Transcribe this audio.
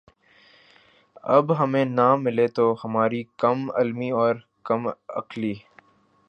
اب ہمیں نہ ملے تو ہماری کم علمی اور کم عقلی